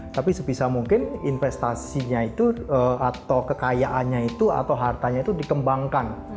tapi sebisa mungkin investasinya itu atau kekayaannya itu atau hartanya itu dikembangkan